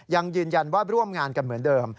ยังยืนยันว่าร่วมงานกันเหมือนเดิม